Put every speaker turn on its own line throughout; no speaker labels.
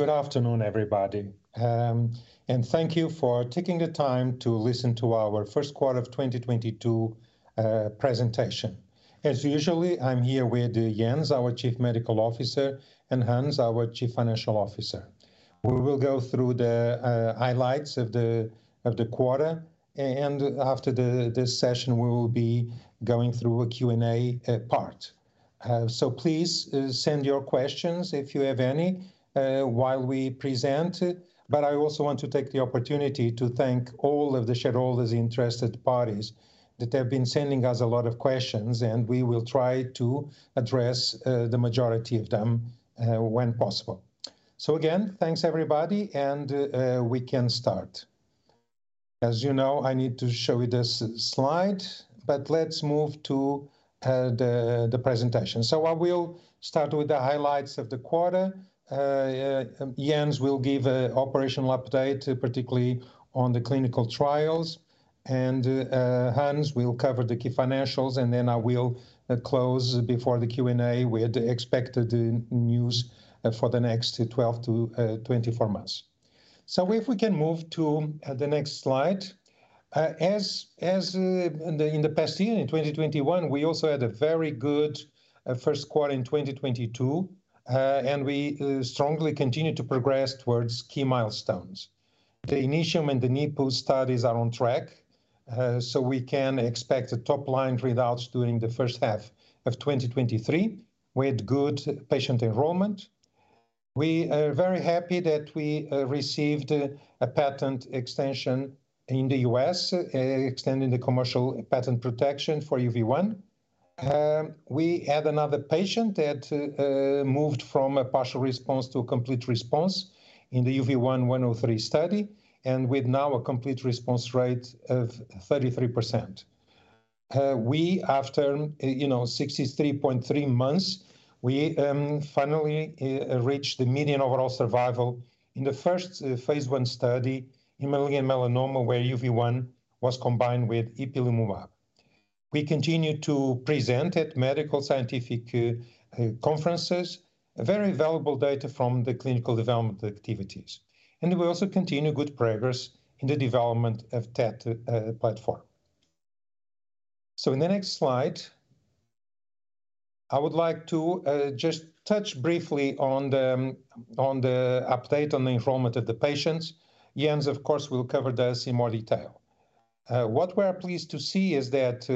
Good afternoon, everybody. Thank you for taking the time to listen to our first quarter of 2022 presentation. As usual, I'm here with Jens, our Chief Medical Officer, and Hans, our Chief Financial Officer. We will go through the highlights of the quarter and after this session, we will be going through a Q&A part. Please send your questions if you have any while we present. But I also want to take the opportunity to thank all of the shareholders and interested parties that have been sending us a lot of questions, and we will try to address the majority of them when possible. Again, thanks everybody, and we can start. As you know, I need to show you this slide, but let's move to the presentation. I will start with the highlights of the quarter. Jens will give a operational update, particularly on the clinical trials. Hans will cover the key financials, and then I will close before the Q&A with the expected news for the next 12 to 24 months. If we can move to the next slide. As in the past year, in 2021, we also had a very good first quarter in 2022. We strongly continue to progress towards key milestones. The INITIUM and the NIPU studies are on track, so we can expect the top line results during the first half of 2023 with good patient enrollment. We are very happy that we received a patent extension in the US, extending the commercial patent protection for UV1. We had another patient that moved from a partial response to a complete response in the UV1-103 study and with now a complete response rate of 33%. We, after you know, 63.3 months, finally reached the median overall survival in the first Phase I study in melanoma where UV1 was combined with ipilimumab. We continue to present at medical scientific conferences very valuable data from the clinical development activities. We also continue good progress in the development of TET platform. In the next slide, I would like to just touch briefly on the update on the enrollment of the patients. Jens, of course, will cover this in more detail. What we are pleased to see is that,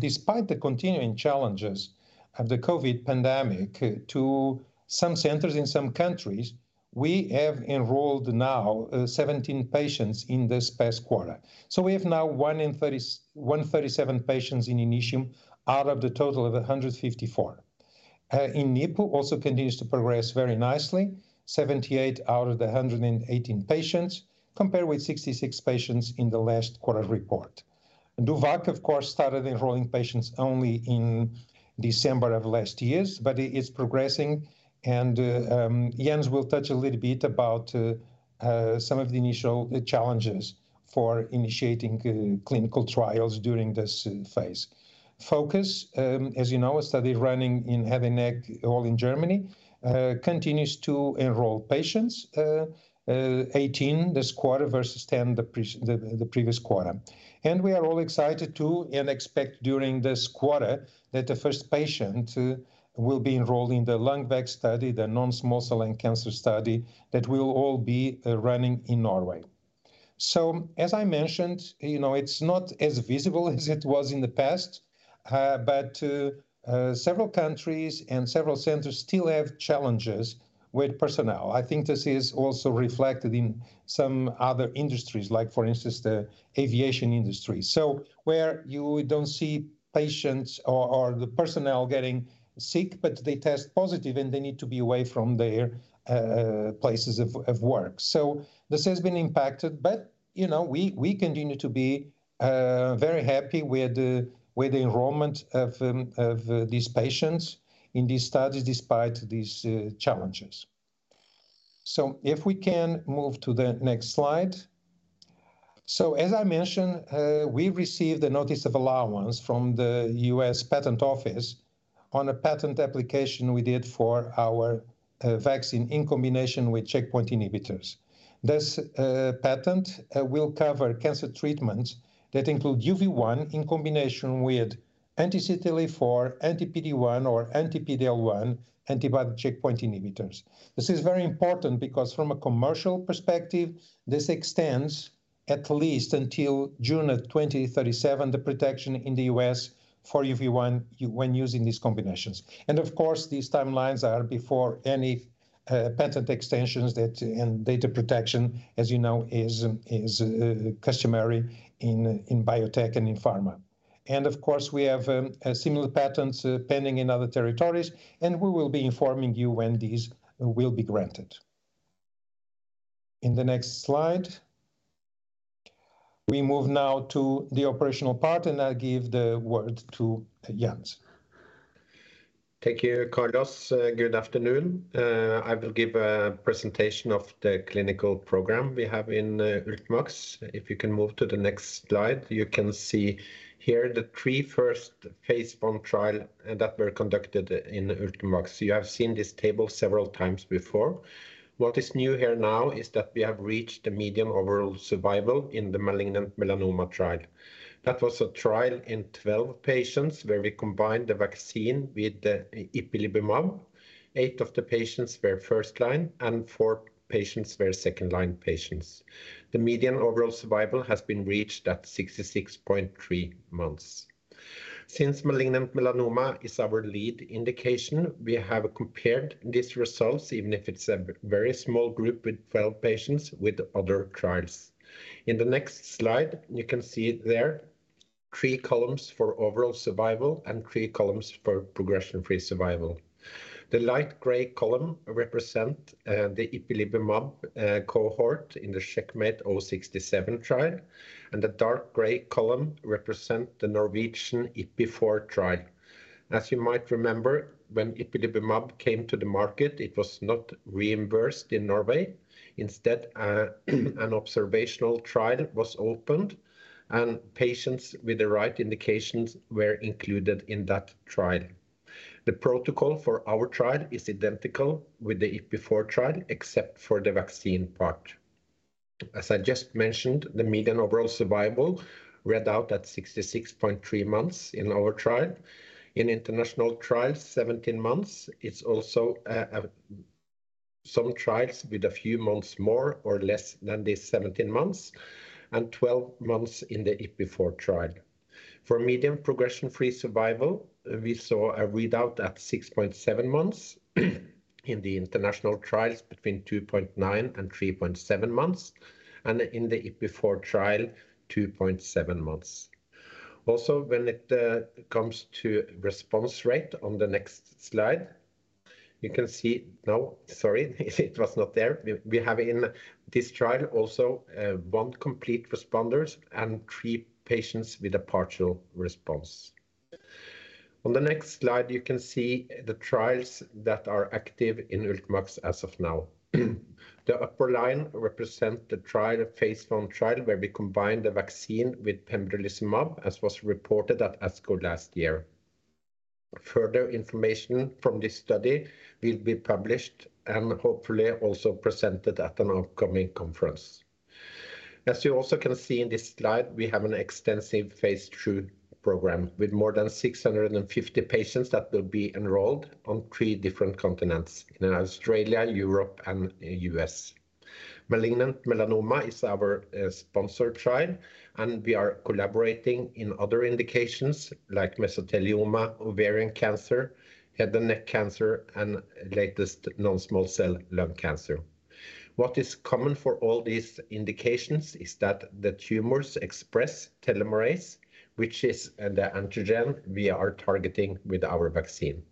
despite the continuing challenges of the COVID pandemic to some centers in some countries, we have enrolled now 17 patients in this past quarter. We have now 137 patients in INITIUM out of the total of 154. In NIPU also continues to progress very nicely, 78 out of the 118 patients compared with 66 patients in the last quarter report. DOVACC, of course, started enrolling patients only in December of last year, but it is progressing and Jens will touch a little bit about some of the initial challenges for initiating clinical trials during this Phase. FOCUS, as you know, a study running in head and neck, all in Germany, continues to enroll patients, 18 this quarter versus 10 the previous quarter. We are all excited too and expect during this quarter that the first patient will be enrolled in the LUNGVAC study, the non-small cell lung cancer study that will be running in Norway. As I mentioned, you know, it's not as visible as it was in the past, but several countries and several centers still have challenges with personnel. I think this is also reflected in some other industries, like for instance, the aviation industry. Where you don't see patients or the personnel getting sick, but they test positive and they need to be away from their places of work. This has been impacted but, you know, we continue to be very happy with the enrollment of these patients in these studies despite these challenges. If we can move to the next slide. As I mentioned, we received a notice of allowance from the U.S. Patent Office on a patent application we did for our vaccine in combination with checkpoint inhibitors. This patent will cover cancer treatments that include UV1 in combination with anti-CTLA-4, anti-PD-1 or anti-PD-L1 antibody checkpoint inhibitors. This is very important because from a commercial perspective, this extends at least until June 2037 the protection in the U.S. for UV1 when using these combinations. Of course, these timelines are before any patent extensions and data protection, as you know, is customary in biotech and in pharma. Of course, we have similar patents pending in other territories, and we will be informing you when these will be granted. In the next slide, we move now to the operational part, and I give the word to Jens.
Thank you, Carlos. Good afternoon. I will give a presentation of the clinical program we have in Ultimovacs. If you can move to the next slide, you can see here the three first Phase one trials that were conducted in Ultimovacs. You have seen this table several times before. What is new here now is that we have reached the median overall survival in the malignant melanoma trial. That was a trial in 12 patients where we combined the vaccine with the ipilimumab. Eight of the patients were first line, and four patients were second-line patients. The median overall survival has been reached at 66.3 months. Since malignant melanoma is our lead indication, we have compared these results, even if it's a very small group with 12 patients, with other trials. In the next slide, you can see the three columns for overall survival and three columns for progression-free survival. The light gray column represent the ipilimumab cohort in the CheckMate 067 trial, and the dark gray column represent the Norwegian Ipi4 trial. As you might remember, when ipilimumab came to the market, it was not reimbursed in Norway. Instead, an observational trial was opened, and patients with the right indications were included in that trial. The protocol for our trial is identical with the Ipi4 trial, except for the vaccine part. As I just mentioned, the median overall survival read out at 66.3 months in our trial. In international trials, 17 months. It's also some trials with a few months more or less than the 17 months, and 12 months in the Ipi4 trial. For median progression-free survival, we saw a readout at 6.7 months. In the international trials between 2.9 and 3.7 months, and in the Ipi4 trial, 2.7 months. Also, when it comes to response rate on the next slide, you can see. No, sorry, it was not there. We have in this trial also one complete responder and three patients with a partial response. On the next slide, you can see the trials that are active in Ultimovacs as of now. The upper line represents the trial, Phase I trial, where we combine the vaccine with pembrolizumab, as was reported at ASCO last year. Further information from this study will be published and hopefully also presented at an upcoming conference. As you also can see in this slide, we have an extensive Phase two program with more than 650 patients that will be enrolled on 3 different continents, in Australia, Europe, and U.S. Malignant melanoma is our sponsored trial, and we are collaborating in other indications like mesothelioma, ovarian cancer, head and neck cancer, and lastly non-small cell lung cancer. What is common for all these indications is that the tumors express telomerase, which is the antigen we are targeting with our vaccine.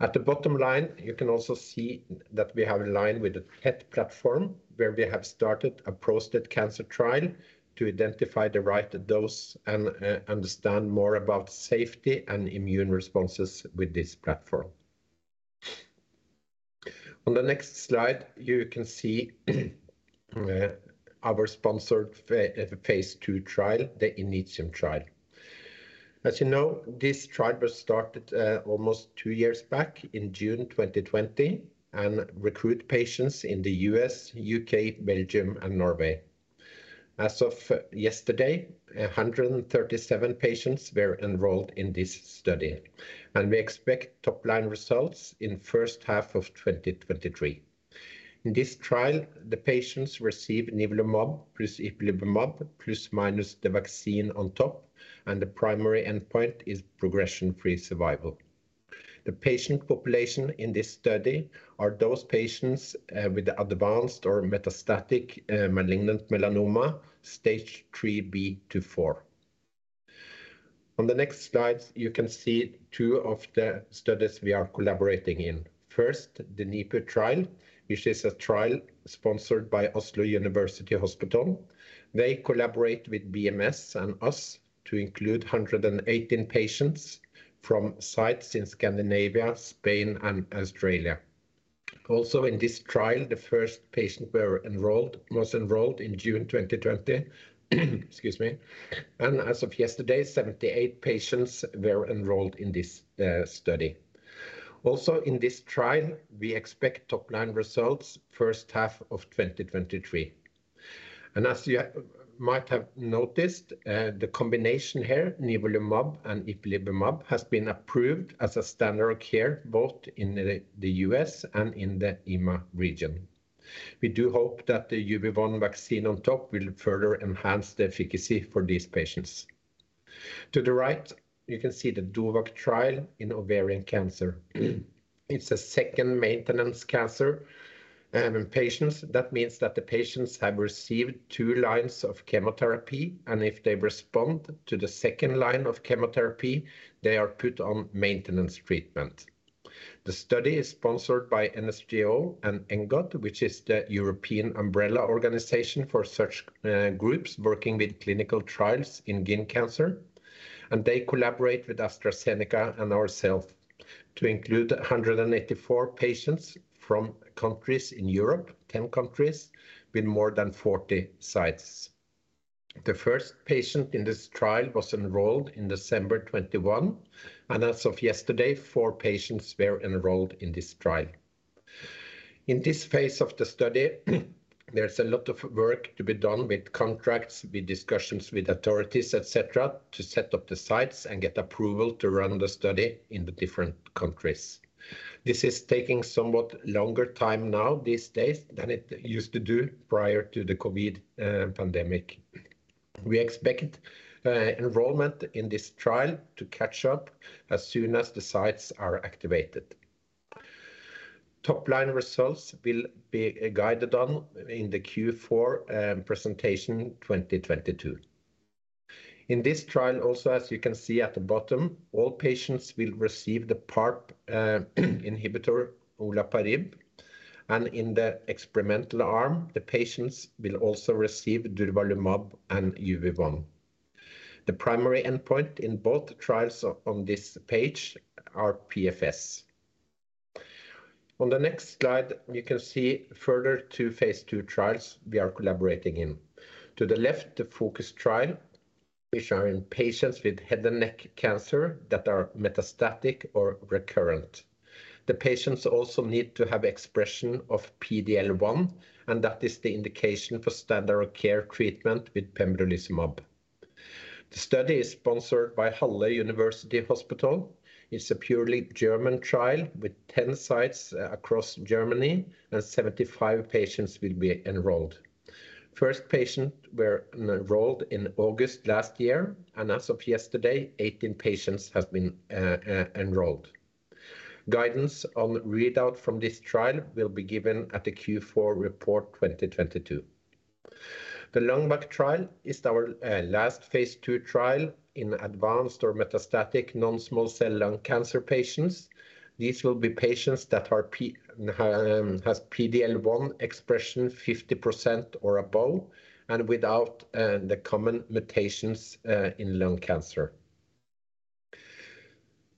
At the bottom line, you can also see that we have a line with the TET platform where we have started a prostate cancer trial to identify the right dose and understand more about safety and immune responses with this platform. On the next slide, you can see our sponsored Phase 2 trial, the INITIUM trial. As you know, this trial was started almost two years back in June 2020 and recruit patients in the U.S., U.K., Belgium, and Norway. As of yesterday, 137 patients were enrolled in this study, and we expect top-line results in first half of 2023. In this trial, the patients receive nivolumab plus ipilimumab plus minus the vaccine on top, and the primary endpoint is progression-free survival. The patient population in this study are those patients with advanced or metastatic malignant melanoma stage 3B to four. On the next slides, you can see two of the studies we are collaborating in. First, the NIPU trial, which is a trial sponsored by Oslo University Hospital. They collaborate with BMS and us to include 118 patients from sites in Scandinavia, Spain, and Australia. In this trial, the first patient was enrolled in June 2020. Excuse me. As of yesterday, 78 patients were enrolled in this study. In this trial, we expect top-line results first half of 2023. As you might have noticed, the combination here, nivolumab and ipilimumab, has been approved as a standard of care both in the U.S. and in the EMA region. We do hope that the UV1 vaccine on top will further enhance the efficacy for these patients. To the right, you can see the DOVACC trial in ovarian cancer. It's a second maintenance cancer in patients. That means that the patients have received two lines of chemotherapy, and if they respond to the second line of chemotherapy, they are put on maintenance treatment. The study is sponsored by NSGO and ENGOT, which is the European umbrella organization for such groups working with clinical trials in gynecological cancer. They collaborate with AstraZeneca and ourselves to include 184 patients from countries in Europe, 10 countries with more than 40 sites. The first patient in this trial was enrolled in December 2021, and as of yesterday, four patients were enrolled in this trial. In this Phase of the study, there's a lot of work to be done with contracts, with discussions with authorities, etc., to set up the sites and get approval to run the study in the different countries. This is taking somewhat longer time now these days than it used to do prior to the COVID pandemic. We expect enrollment in this trial to catch up as soon as the sites are activated. Top-line results will be guided on in the Q4 presentation 2022. In this trial also, as you can see at the bottom, all patients will receive the PARP inhibitor olaparib, and in the experimental arm the patients will also receive durvalumab and UV1. The primary endpoint in both trials on this page are PFS. On the next slide you can see further two Phase 2 trials we are collaborating in. To the left, the FOCUS trial which are in patients with head and neck cancer that are metastatic or recurrent. The patients also need to have expression of PD-L1, and that is the indication for standard of care treatment with pembrolizumab. The study is sponsored by University Hospital Halle (Saale). It's a purely German trial with 10 sites across Germany, and 75 patients will be enrolled. First patient were enrolled in August last year, and as of yesterday 18 patients have been enrolled. Guidance on readout from this trial will be given at the Q4 report 2022. The LUNGVAC trial is our last Phase II trial in advanced or metastatic non-small cell lung cancer patients. These will be patients that has PD-L1 expression 50% or above, and without the common mutations in lung cancer.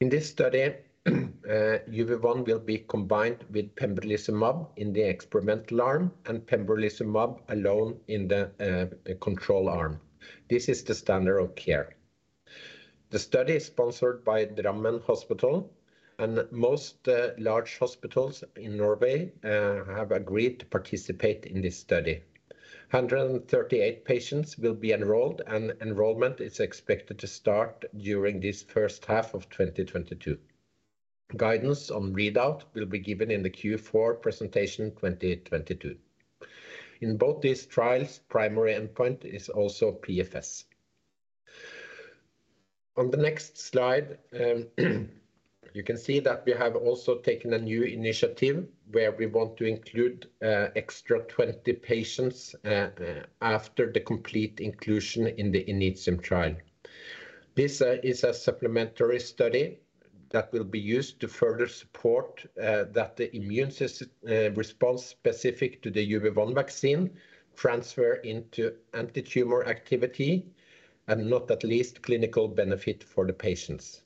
In this study, UV1 will be combined with pembrolizumab in the experimental arm, and pembrolizumab alone in the control arm. This is the standard of care. The study is sponsored by Drammen Hospital, and most large hospitals in Norway have agreed to participate in this study. 138 patients will be enrolled, and enrollment is expected to start during this first half of 2022. Guidance on readout will be given in the Q4 presentation 2022. In both these trials, primary endpoint is also PFS. On the next slide, you can see that we have also taken a new initiative where we want to include extra 20 patients after the complete inclusion in the INITIUM trial. This is a supplementary study that will be used to further support that the immune response specific to the UV1 vaccine transfer into antitumor activity, and not least clinical benefit for the patients.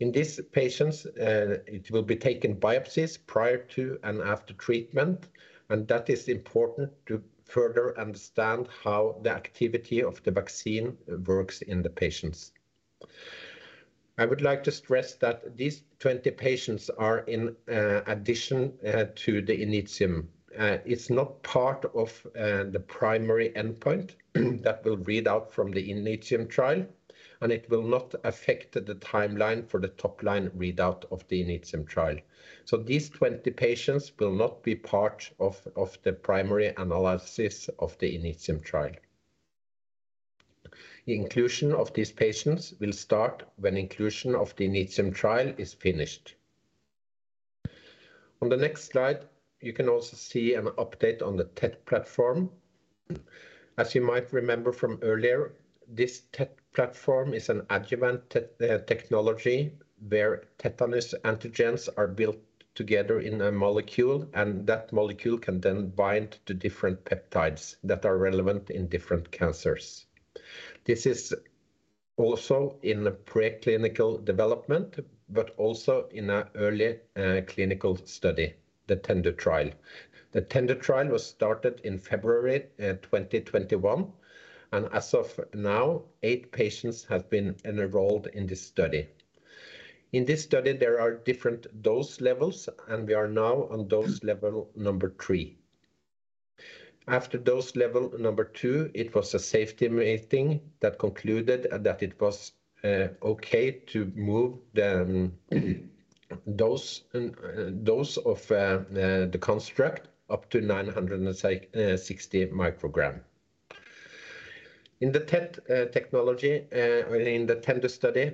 In these patients, it will be taken biopsies prior to and after treatment, and that is important to further understand how the activity of the vaccine works in the patients. I would like to stress that these 20 patients are in addition to the INITIUM. It's not part of the primary endpoint that will read out from the INITIUM trial, and it will not affect the timeline for the top-line readout of the INITIUM trial. These 20 patients will not be part of the primary analysis of the INITIUM trial. The inclusion of these patients will start when inclusion of the INITIUM trial is finished. On the next slide you can also see an update on the TET platform. As you might remember from earlier, this TET platform is an adjuvant technology where tetanus antigens are built together in a molecule, and that molecule can then bind to different peptides that are relevant in different cancers. This is also in the preclinical development but also in an early clinical study, the TENDU trial. The TENDU trial was started in February 2021, and as of now eight patients have been enrolled in this study. In this study there are different dose levels, and we are now on dose level number three. After dose level number two it was a safety meeting that concluded that it was okay to move the dose of the construct up to 960 microgram. In the TET technology, in the TENDU study,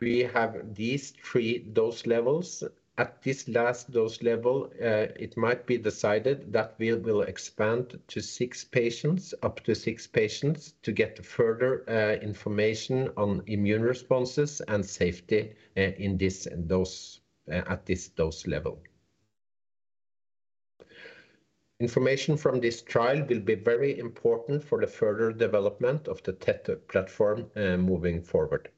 we have these three dose levels. At this last dose level, it might be decided that we will expand to six patients, up to six patients to get further information on immune responses and safety, in this dose, at this dose level. Information from this trial will be very important for the further development of the TET platform, moving forward.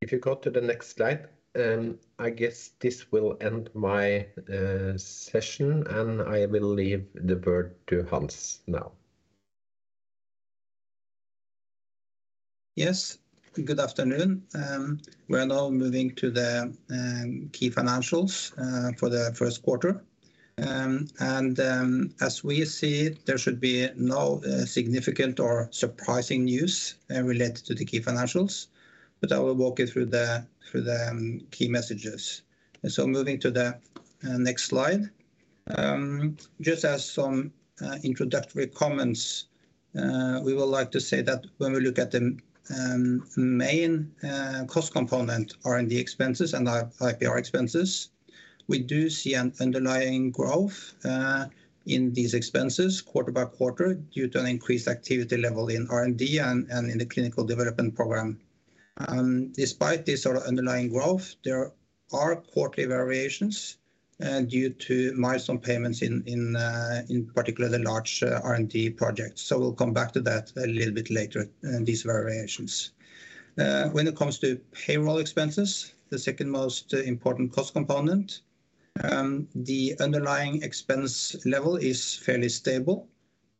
If you go to the next slide, I guess this will end my session, and I will leave the word to Hans now.
Yes. Good afternoon. We're now moving to the key financials for the first quarter. As we see, there should be no significant or surprising news related to the key financials. I will walk you through the key messages. Moving to the next slide. Just as some introductory comments, we would like to say that when we look at the main cost component, R&D expenses and IPR expenses, we do see an underlying growth in these expenses quarter by quarter due to an increased activity level in R&D and in the clinical development program. Despite this sort of underlying growth, there are quarterly variations due to milestone payments in particular the large R&D projects. We'll come back to that a little bit later in these variations. When it comes to payroll expenses, the second most important cost component, the underlying expense level is fairly stable.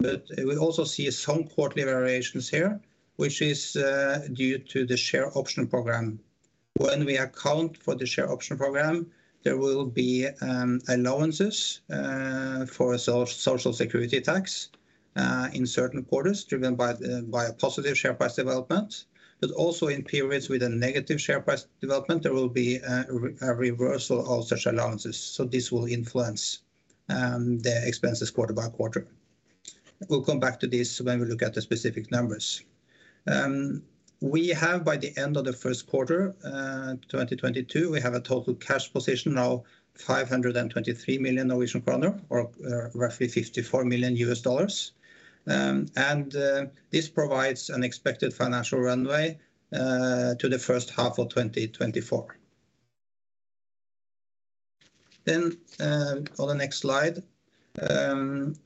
We also see some quarterly variations here, which is due to the share option program. When we account for the share option program, there will be allowances for social security tax in certain quarters driven by a positive share price development. Also in periods with a negative share price development, there will be a reversal of such allowances. This will influence the expenses quarter by quarter. We'll come back to this when we look at the specific numbers. We have by the end of the first quarter, 2022, we have a total cash position now 523 million Norwegian kroner or roughly $54 million. This provides an expected financial runway to the first half of 2024. On the next slide,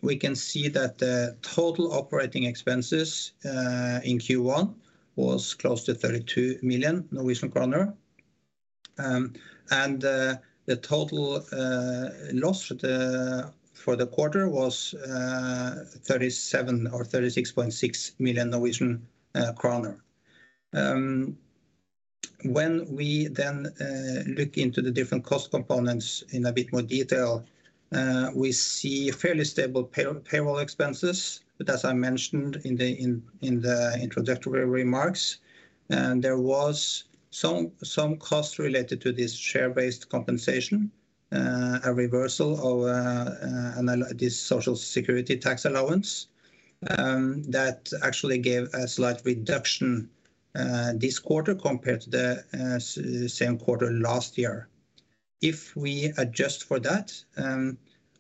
we can see that the total operating expenses in Q1 was close to 32 million Norwegian kroner. The total loss for the quarter was 37 million or 36.6 million Norwegian kroner. When we look into the different cost components in a bit more detail, we see fairly stable payroll expenses. As I mentioned in the introductory remarks, there was some costs related to this share-based compensation. A reversal of an annual Social Security tax allowance that actually gave a slight reduction this quarter compared to the same quarter last year. If we adjust for that,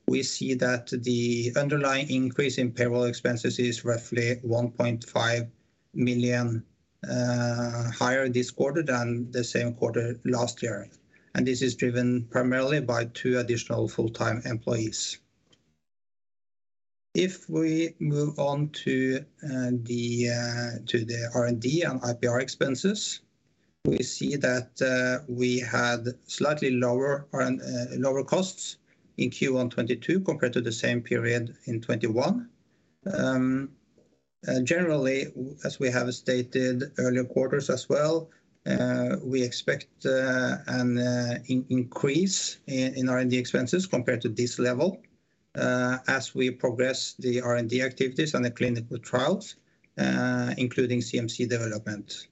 we see that the underlying increase in payroll expenses is roughly 1.5 million higher this quarter than the same quarter last year, and this is driven primarily by 2 additional full-time employees. If we move on to the R&D and IPR expenses, we see that we had slightly lower costs in Q1 2022 compared to the same period in 2021. Generally, as we have stated in earlier quarters as well, we expect an increase in R&D expenses compared to this level as we progress the R&D activities and the clinical trials, including CMC development.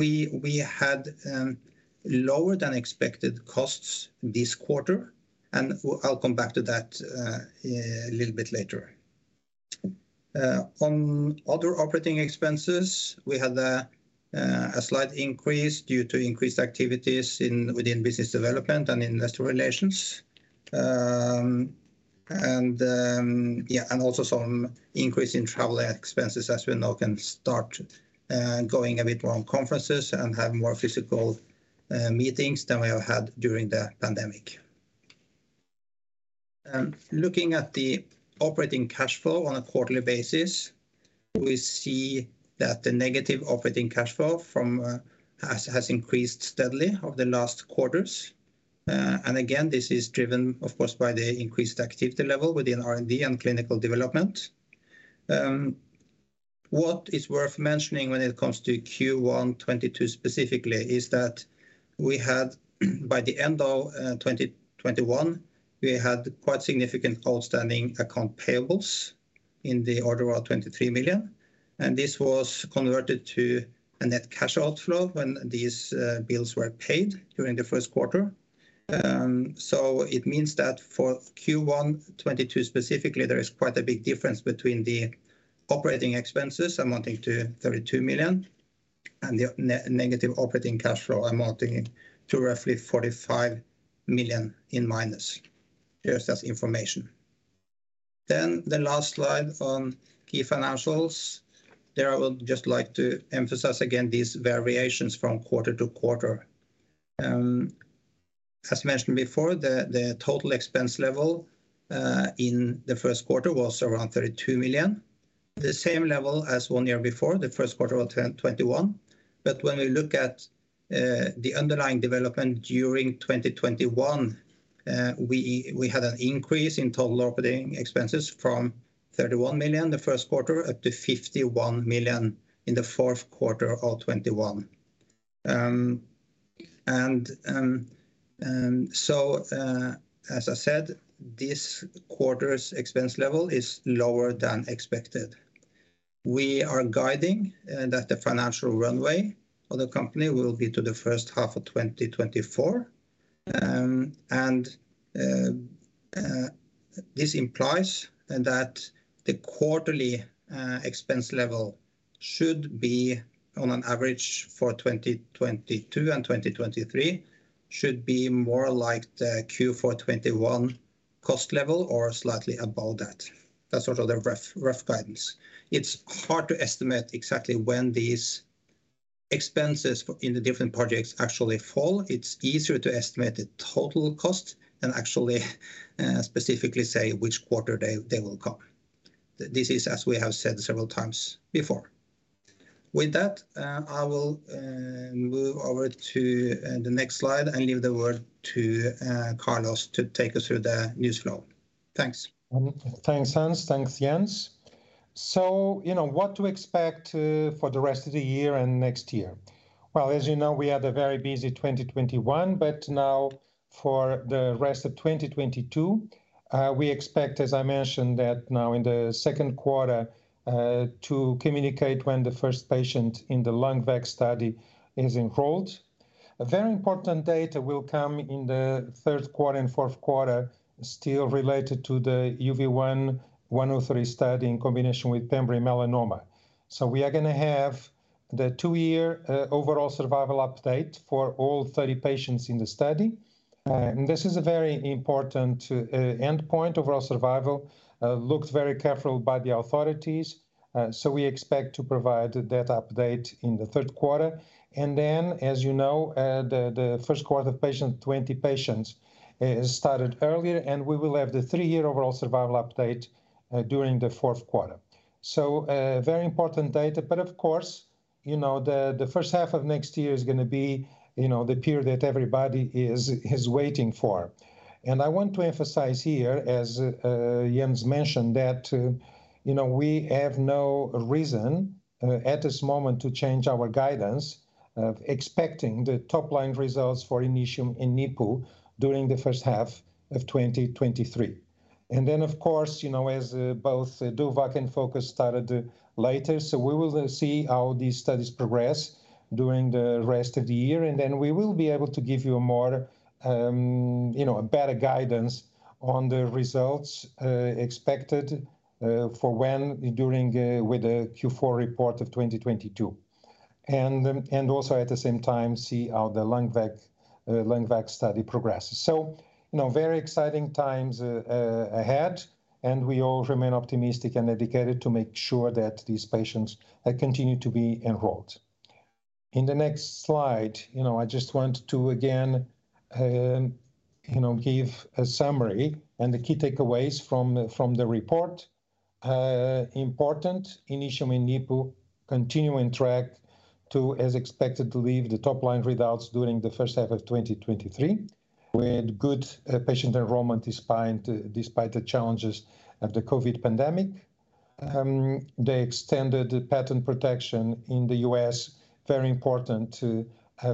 We had lower than expected costs this quarter, and I'll come back to that a little bit later. On other operating expenses, we had a slight increase due to increased activities within business development and investor relations, and also some increase in travel expenses as we now can start going a bit more on conferences and have more physical meetings than we have had during the pandemic. Looking at the operating cash flow on a quarterly basis, we see that the negative operating cash flow has increased steadily over the last quarters. Again, this is driven, of course, by the increased activity level within R&D and clinical development. What is worth mentioning when it comes to Q1 2022 specifically is that we had by the end of 2021 quite significant outstanding account payables in the order of 23 million, and this was converted to a net cash outflow when these bills were paid during the first quarter. It means that for Q1 2022 specifically, there is quite a big difference between the operating expenses amounting to 32 million and the negative operating cash flow amounting to roughly 45 million in minus. Just as information. The last slide on key financials. There I would just like to emphasize again these variations from quarter to quarter. As mentioned before, the total expense level in the first quarter was around 32 million. The same level as one year before, the first quarter of 2021. When we look at the underlying development during 2021, we had an increase in total operating expenses from 31 million in Q1 up to 51 million in Q4 2021. As I said, this quarter's expense level is lower than expected. We are guiding that the financial runway of the company will be to the first half of 2024. This implies that the quarterly expense level should be on an average for 2022 and 2023 should be more like the Q4 2021 cost level or slightly above that. That's sort of the rough guidance. It's hard to estimate exactly when these expenses in the different projects actually fall. It's easier to estimate the total cost than actually specifically say which quarter they will come. This is as we have said several times before. With that, I will move over to the next slide and leave the word to Carlos to take us through the news flow. Thanks.
Thanks, Hans. Thanks, Jens. You know what to expect for the rest of the year and next year. Well, as you know, we had a very busy 2021, but now for the rest of 2022, we expect, as I mentioned, that now in the second quarter to communicate when the first patient in the LUNGVAC study is enrolled. A very important data will come in the third quarter and fourth quarter still related to the UV1-103 study in combination with pembrolizumab melanoma. We are gonna have the two-year overall survival update for all 30 patients in the study. And this is a very important endpoint. Overall survival is looked at very carefully by the authorities, so we expect to provide that update in the third quarter. As you know, the first quarter, 20 patients started earlier, and we will have the three-year overall survival update during the fourth quarter. Very important data, but of course, you know, the first half of next year is gonna be, you know, the period that everybody is waiting for. I want to emphasize here, as Jens mentioned, that, you know, we have no reason at this moment to change our guidance of expecting the top-line results for INITIUM and NIPU during the first half of 2023. Of course, you know, as both DOVACC and FOCUS started later, we will see how these studies progress during the rest of the year, and then we will be able to give you a more, you know, a better guidance on the results expected for when during with the Q4 report of 2022. Also at the same time see how the LUNGVAC study progresses. You know, very exciting times ahead, and we all remain optimistic and dedicated to make sure that these patients continue to be enrolled. In the next slide, you know, I just want to again, you know, give a summary and the key takeaways from the report. Important INITIUM and NIPU continue on track to, as expected, deliver the top-line results during the first half of 2023, with good patient enrollment despite the challenges of the COVID pandemic. The extended patent protection in the U.S., very important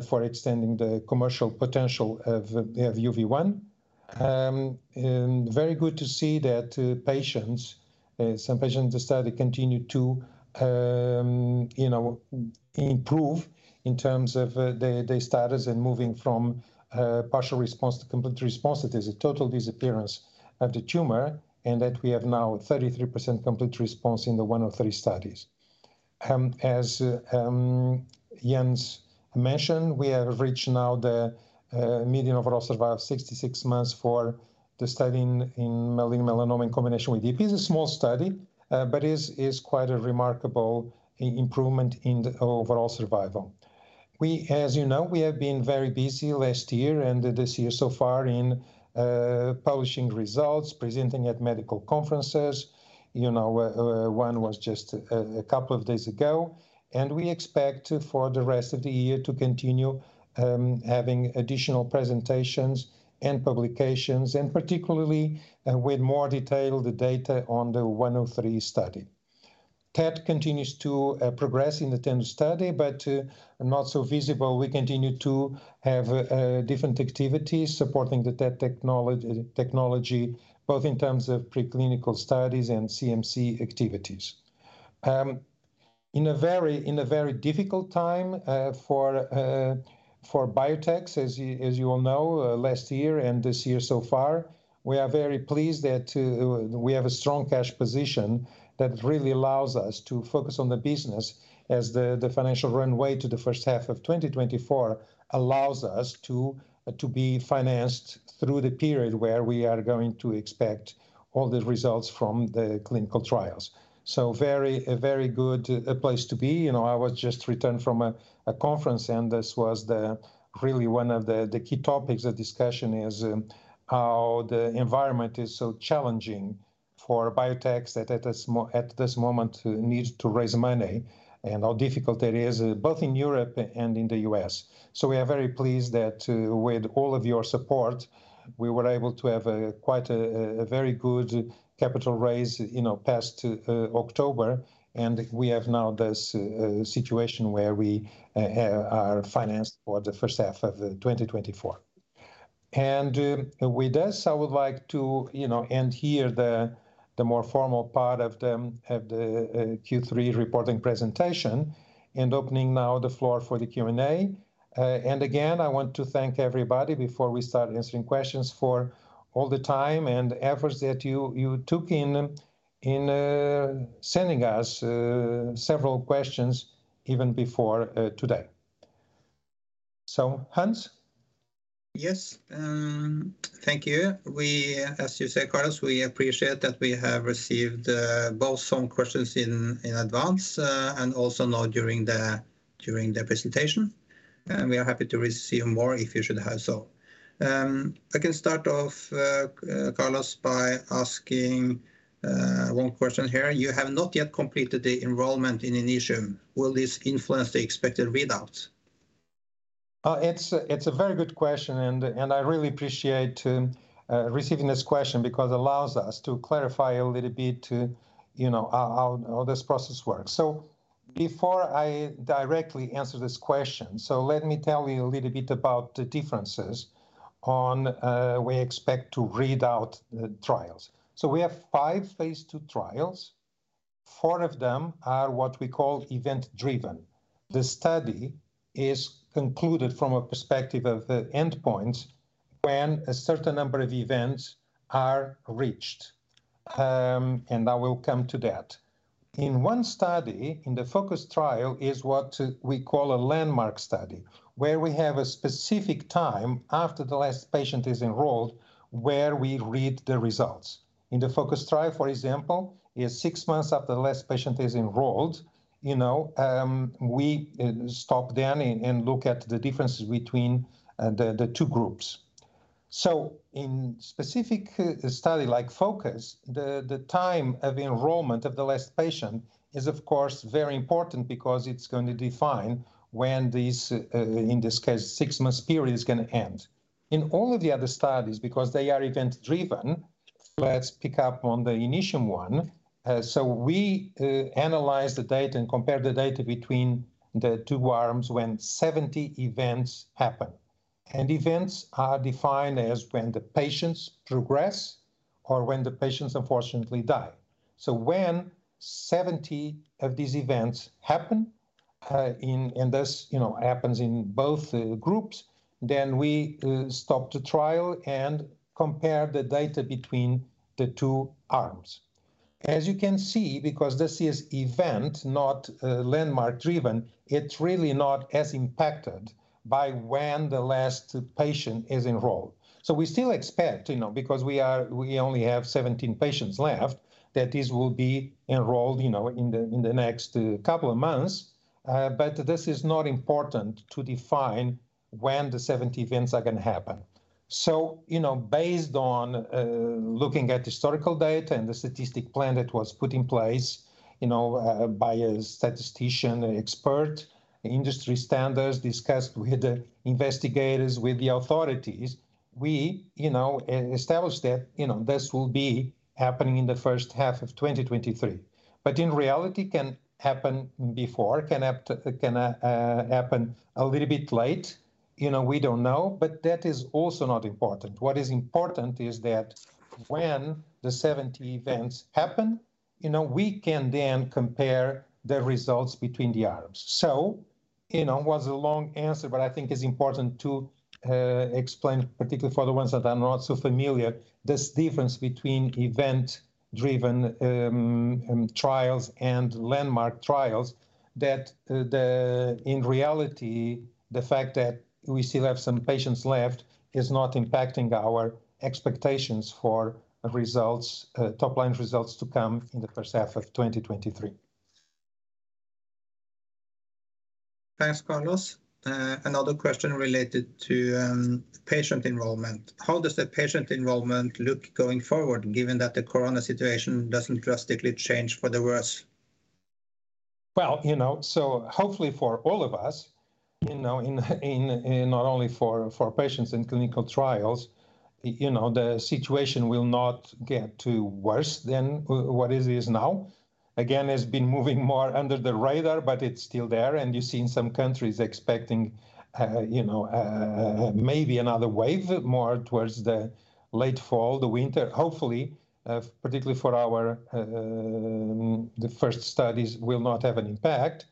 for extending the commercial potential of UV1. Very good to see that patients, some patients in the study continue to, you know, improve in terms of their status and moving from partial response to complete response. That is a total disappearance of the tumor, and that we have now 33% complete response in the UV1-103 study. As Jens mentioned, we have reached now the median overall survival of 66 months for the study in melanoma in combination with ipilimumab. It's a small study, but it's quite a remarkable improvement in the overall survival. As you know, we have been very busy last year and this year so far in publishing results, presenting at medical conferences. You know, one was just a couple of days ago. We expect for the rest of the year to continue having additional presentations and publications, and particularly with more detailed data on the 103 study. TENDU continues to progress in the terms of study, but not so visible, we continue to have different activities supporting the TET technology, both in terms of preclinical studies and CMC activities. In a very difficult time for biotechs, as you all know, last year and this year so far, we are very pleased that we have a strong cash position that really allows us to focus on the business as the financial runway to the first half of 2024 allows us to be financed through the period where we are going to expect all the results from the clinical trials. A very good place to be. You know, I just returned from a conference, and this was really one of the key topics of discussion is how the environment is so challenging for biotechs that at this moment need to raise money and how difficult that is both in Europe and in the US. We are very pleased that with all of your support, we were able to have quite a very good capital raise, you know, past October, and we have now this situation where we are financed for the first half of 2024. With this, I would like to, you know, end here the more formal part of the Q3 reporting presentation, and opening now the floor for the Q&A. Again, I want to thank everybody before we start answering questions for all the time and efforts that you took in sending us several questions even before today. Hans?
Yes. Thank you. We, as you say, Carlos, we appreciate that we have received both some questions in advance, and also now during the presentation, and we are happy to receive more if you should have so. I can start off, Carlos, by asking one question here. You have not yet completed the enrollment in INITIUM. Will this influence the expected readouts?
It's a very good question, and I really appreciate receiving this question because allows us to clarify a little bit, you know, how this process works. Before I directly answer this question, let me tell you a little bit about the differences in how we expect to read out the trials. We have 5 Phase II trials. Four of them are what we call event-driven. The study is concluded from a perspective of the endpoint when a certain number of events are reached. I will come to that. In one study, in the FOCUS trial, is what we call a landmark study, where we have a specific time after the last patient is enrolled where we read the results. In the FOCUS trial, for example, is six months after the last patient is enrolled, you know, we stop then and look at the differences between the two groups. In specific study like FOCUS, the time of enrollment of the last patient is of course very important because it's going to define when these, in this case, six months period is gonna end. In all of the other studies, because they are event-driven, let's pick up on the INITIUM one. We analyze the data and compare the data between the two arms when 70 events happen, and events are defined as when the patients progress or when the patients unfortunately die. When 70 of these events happen in both groups, then we stop the trial and compare the data between the two arms. As you can see, because this is event-driven, not landmark-driven, it's really not as impacted by when the last patient is enrolled. We still expect, you know, because we only have 17 patients left, that these will be enrolled, you know, in the next couple of months. But this is not important to define when the 70 events are gonna happen. You know, based on looking at historical data and the statistical plan that was put in place, you know, by a statistician expert, industry standards discussed with the investigators, with the authorities, we, you know, establish that, you know, this will be happening in the first half of 2023. In reality, can happen before, it can happen a little bit late. You know, we don't know, but that is also not important. What is important is that when the 70 events happen, you know, we can then compare the results between the arms. You know, it was a long answer, but I think it's important to explain, particularly for the ones that are not so familiar, this difference between event-driven trials and landmark trials that the In reality, the fact that we still have some patients left is not impacting our expectations for results, top-line results to come in the first half of 2023.
Thanks, Carlos. Another question related to patient enrollment. How does the patient enrollment look going forward, given that the corona situation doesn't drastically change for the worse?
Well, you know, hopefully for all of us, you know, in not only for patients in clinical trials, you know, the situation will not get too worse than what it is now. Again, it's been moving more under the radar, but it's still there, and you see in some countries expecting, you know, maybe another wave more towards the late fall, the winter. Hopefully, particularly for our the first studies, will not have an impact.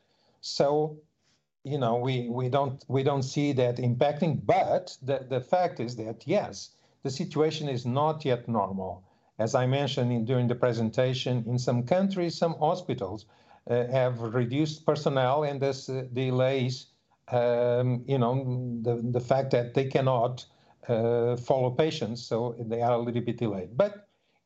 You know, we don't see that impacting. The fact is that, yes, the situation is not yet normal. As I mentioned in doing the presentation, in some countries, some hospitals have reduced personnel and this delays, you know, the fact that they cannot follow patients, so they are a little bit delayed.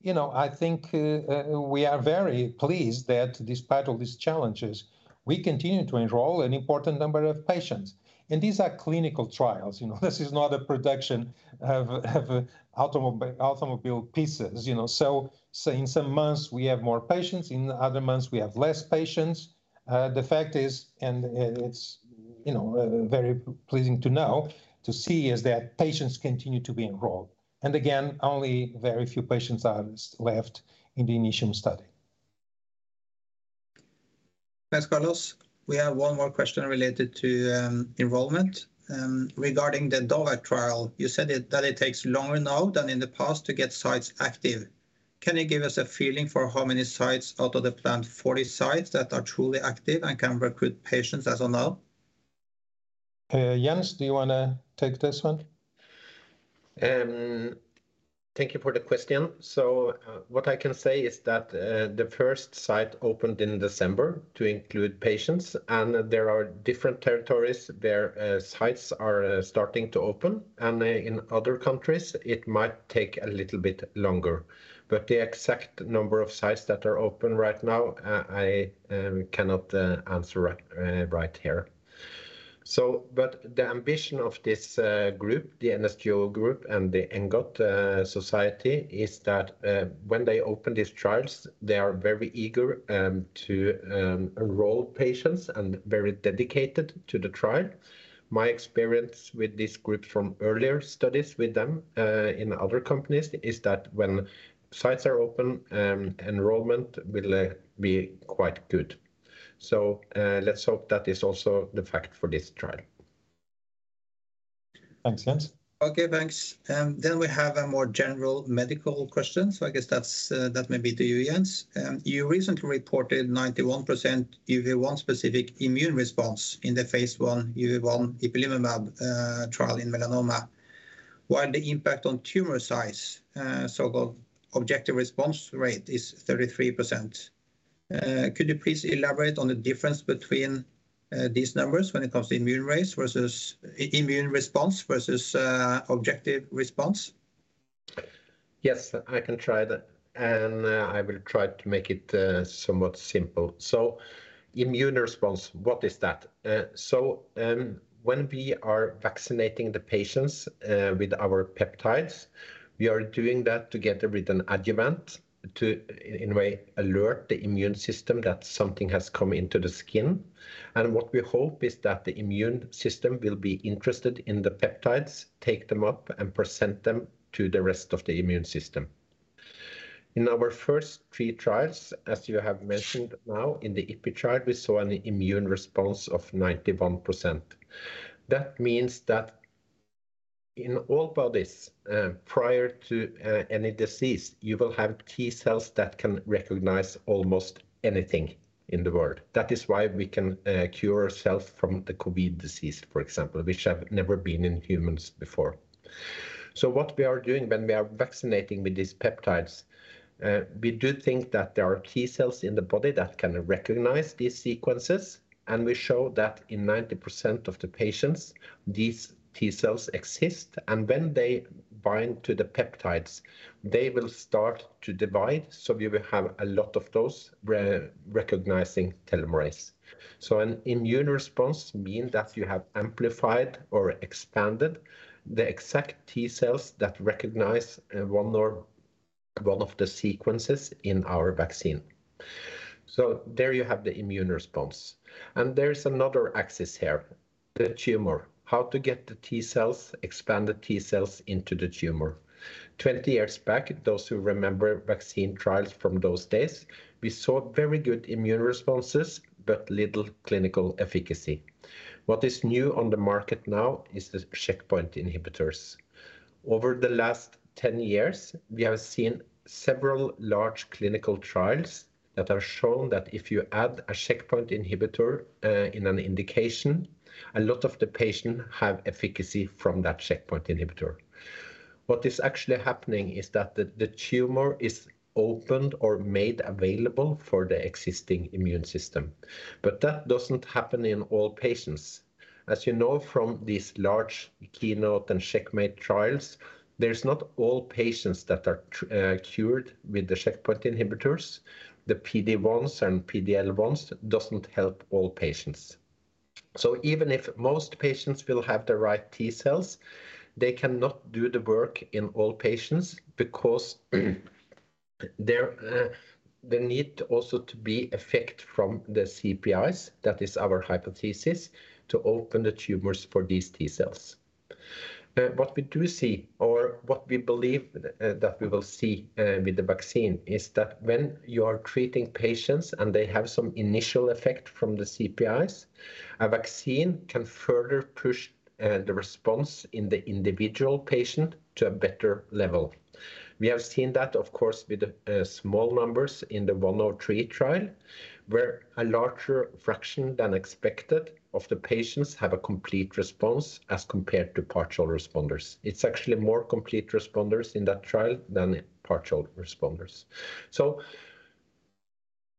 You know, I think we are very pleased that despite all these challenges, we continue to enroll an important number of patients, and these are clinical trials. You know, this is not a production of automobile pieces, you know. Say in some months we have more patients, in other months we have less patients. The fact is, it's, you know, very pleasing to know, to see is that patients continue to be enrolled. Again, only very few patients are left in the initial study.
Thanks, Carlos. We have one more question related to enrollment. Regarding the DOVACC trial, you said that it takes longer now than in the past to get sites active. Can you give us a feeling for how many sites out of the planned 40 sites that are truly active and can recruit patients as of now?
Jens, do you wanna take this one?
Thank you for the question. What I can say is that the first site opened in December to include patients, and there are different territories where sites are starting to open, and in other countries it might take a little bit longer. The exact number of sites that are open right now I cannot answer right here. The ambition of this group, the NSGO group and the ENGOT society, is that when they open these trials, they are very eager to enroll patients and very dedicated to the trial. My experience with this group from earlier studies with them in other companies is that when sites are open, enrollment will be quite good. Let's hope that is also the fact for this trial.
Thanks, Jens.
Okay, thanks. We have a more general medical question, so I guess that's that may be to you, Jens. You recently reported 91% UV1 specific immune response in the Phase 1 UV1 ipilimumab trial in melanoma, while the impact on tumor size, so-called objective response rate is 33%. Could you please elaborate on the difference between these numbers when it comes to immune rates versus immune response versus objective response?
Yes, I can try that, and, I will try to make it, somewhat simple. Immune response, what is that? When we are vaccinating the patients, with our peptides, we are doing that to get with an adjuvant in a way alert the immune system that something has come into the skin. What we hope is that the immune system will be interested in the peptides, take them up, and present them to the rest of the immune system. In our first three trials, as you have mentioned now in the IPI trial, we saw an immune response of 91%. That means that in all bodies, prior to, any disease, you will have T cells that can recognize almost anything in the world. That is why we can cure ourselves from the COVID disease, for example, which have never been in humans before. What we are doing when we are vaccinating with these peptides, we do think that there are T cells in the body that can recognize these sequences, and we show that in 90% of the patients, these T cells exist. When they bind to the peptides, they will start to divide, so we will have a lot of those recognizing telomerase. An immune response mean that you have amplified or expanded the exact T cells that recognize one or all of the sequences in our vaccine. There you have the immune response. There is another axis here, the tumor. How to get the T cells, expand the T cells into the tumor. 20 years back, those who remember vaccine trials from those days, we saw very good immune responses but little clinical efficacy. What is new on the market now is the checkpoint inhibitors. Over the last 10 years, we have seen several large clinical trials that have shown that if you add a checkpoint inhibitor in an indication, a lot of the patients have efficacy from that checkpoint inhibitor. What is actually happening is that the tumor is opened or made available for the existing immune system. That doesn't happen in all patients. As you know from these large KEYNOTE and CheckMate trials, not all patients are cured with the checkpoint inhibitors. The PD-1s and PD-L1s don't help all patients. Even if most patients will have the right T cells, they cannot do the work in all patients because there need also to be effect from the CPIs, that is our hypothesis, to open the tumors for these T cells. What we do see or what we believe that we will see with the vaccine is that when you are treating patients and they have some initial effect from the CPIs, a vaccine can further push the response in the individual patient to a better level. We have seen that, of course, with small numbers in the 103 trial, where a larger fraction than expected of the patients have a complete response as compared to partial responders. It's actually more complete responders in that trial than partial responders.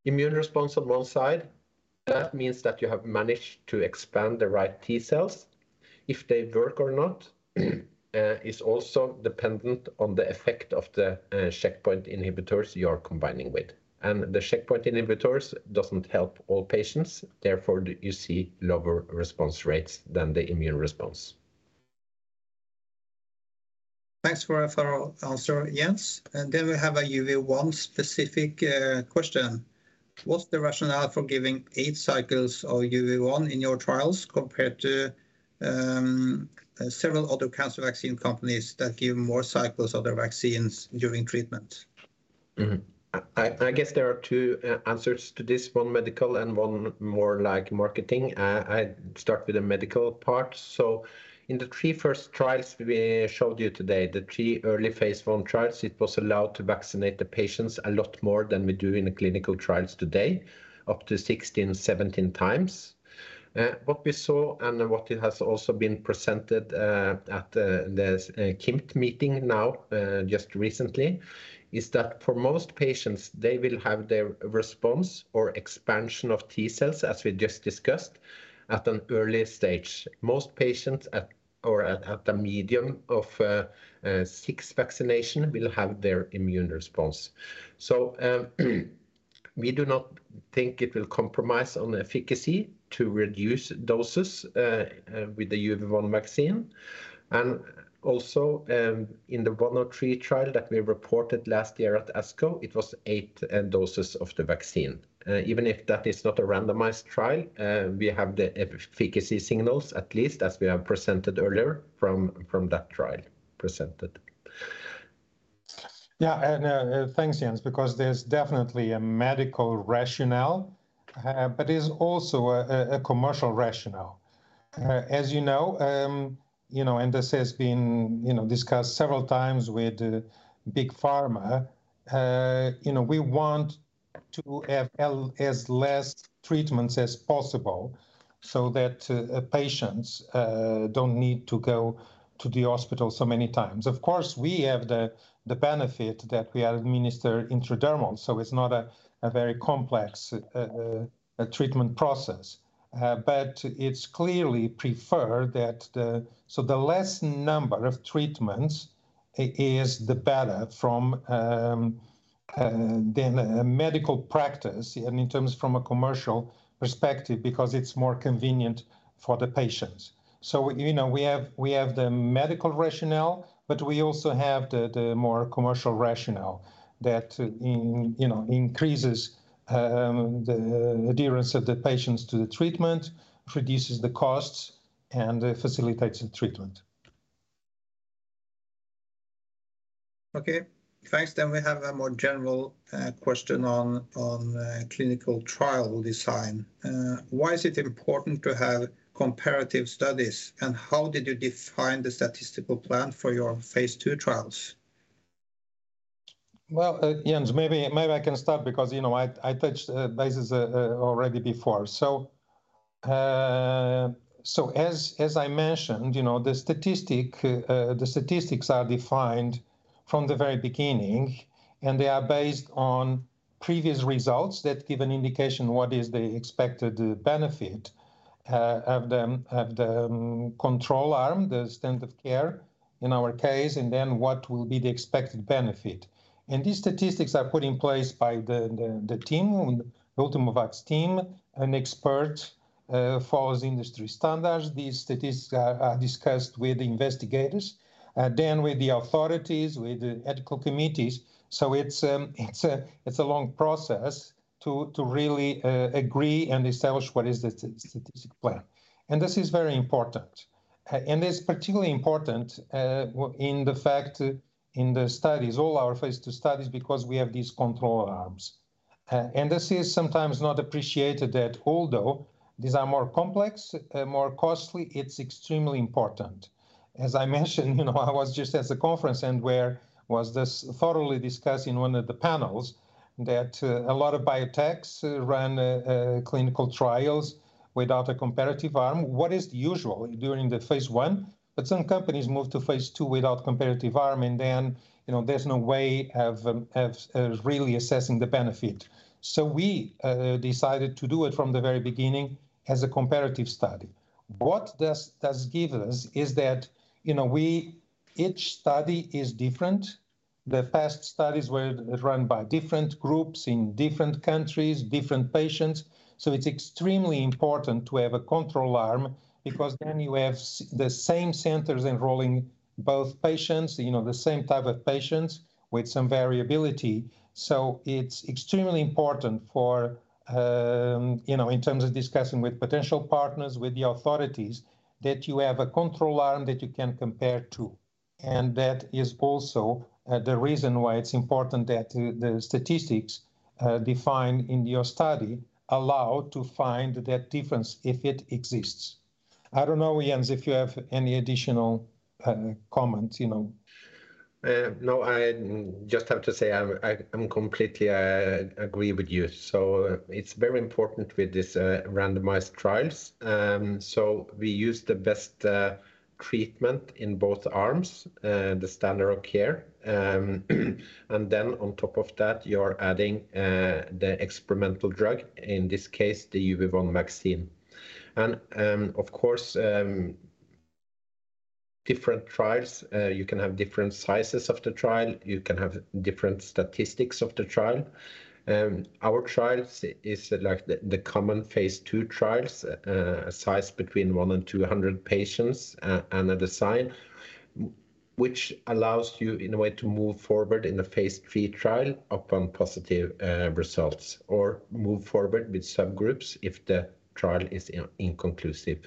Immune response on one side, that means that you have managed to expand the right T cells. If they work or not is also dependent on the effect of the checkpoint inhibitors you are combining with. The checkpoint inhibitors doesn't help all patients, therefore you see lower response rates than the immune response.
Thanks for a thorough answer, Jens. We have a UV1 specific question. What's the rationale for giving 8 cycles of UV1 in your trials compared to several other cancer vaccine companies that give more cycles of their vaccines during treatment?
I guess there are two answers to this, one medical and one more like marketing. I start with the medical part. In the three first trials we showed you today, the three early Phase one trials, it was allowed to vaccinate the patients a lot more than we do in the clinical trials today, up to 16, 17 times. What we saw and what it has also been presented at the CIMT meeting now just recently is that for most patients they will have their response or expansion of T cells, as we just discussed, at an early stage. Most patients at a median of six vaccination will have their immune response. We do not think it will compromise on efficacy to reduce doses with the UV1 vaccine. In the UV1-103 trial that we reported last year at ASCO, it was eight doses of the vaccine. Even if that is not a randomized trial, we have the efficacy signals at least as we have presented earlier from that trial presented.
Yeah, thanks Jens, because there's definitely a medical rationale, but there's also a commercial rationale. As you know, you know, and this has been, you know, discussed several times with big pharma, you know, we want to have as less treatments as possible so that patients don't need to go to the hospital so many times. Of course, we have the benefit that we administer intradermally, so it's not a very complex treatment process. But it's clearly preferred that, so the less number of treatments is the better from a medical practice and in terms of a commercial perspective because it's more convenient for the patients. You know, we have the medical rationale, but we also have the more commercial rationale that you know, increases the adherence of the patients to the treatment, reduces the costs, and facilitates the treatment.
Okay. Thanks. We have a more general question on clinical trial design. Why is it important to have comparative studies, and how did you define the statistical plan for your Phase two trials?
Well, Jens, maybe I can start because, you know, I touched bases already before. As I mentioned, you know, the statistics are defined from the very beginning, and they are based on previous results that give an indication what is the expected benefit of the control arm, the standard care in our case, and then what will be the expected benefit. These statistics are put in place by the Ultimovacs team, an expert follows industry standards. These statistics are discussed with investigators, then with the authorities, with the ethical committees. It's a long process to really agree and establish what is the statistic plan. This is very important. It's particularly important, in fact, in the studies, all our Phase 2 studies, because we have these control arms. This is sometimes not appreciated that although these are more complex, more costly, it's extremely important. As I mentioned, you know, I was just at a conference where this was thoroughly discussed in one of the panels that a lot of biotechs run clinical trials without a comparative arm. What is usual during the Phase 1? Some companies move to Phase 2 without comparative arm, and then, you know, there's no way of really assessing the benefit. We decided to do it from the very beginning as a comparative study. What this does give us is that, you know, each study is different. The past studies were run by different groups in different countries, different patients, so it's extremely important to have a control arm because then you have the same centers enrolling both patients, you know, the same type of patients with some variability. It's extremely important for, you know, in terms of discussing with potential partners, with the authorities, that you have a control arm that you can compare to. That is also the reason why it's important that the statistics defined in your study allow to find that difference if it exists. I don't know, Jens, if you have any additional comments, you know?
No, I just have to say I'm completely agree with you. It's very important with this randomized trials. We use the best treatment in both arms, the standard of care. On top of that you're adding the experimental drug, in this case, the UV1 vaccine. Of course, different trials, you can have different sizes of the trial, you can have different statistics of the trial. Our trials is like the common Phase 2 trials, size between one and 200 patients, a design which allows you in a way to move forward in a Phase 3 trial upon positive results, or move forward with subgroups if the trial is inconclusive.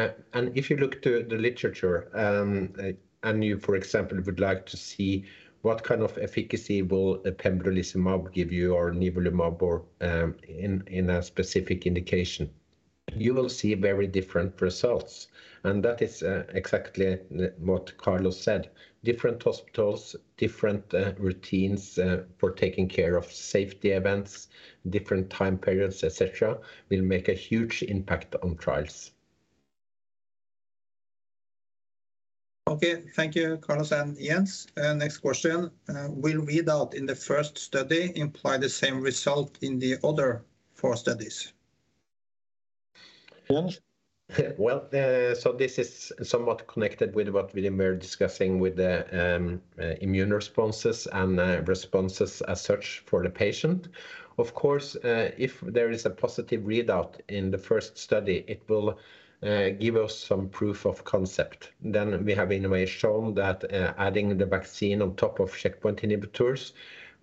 If you look to the literature, and you for example would like to see what kind of efficacy will a pembrolizumab give you or nivolumab or in a specific indication, you will see very different results. That is exactly what Carlos said. Different hospitals, different routines for taking care of safety events, different time periods, et cetera, will make a huge impact on trials.
Okay. Thank you, Carlos and Jens. Next question. Will readout in the first study imply the same result in the other four studies? Jens?
Well, this is somewhat connected with what William were discussing with the immune responses and responses as such for the patient. Of course, if there is a positive readout in the first study, it will give us some proof of concept. We have in a way shown that adding the vaccine on top of checkpoint inhibitors